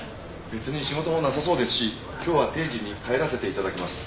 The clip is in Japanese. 別に仕事もなさそうですし今日は定時に帰らせて頂きます。